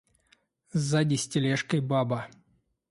Сзади с тележкой баба.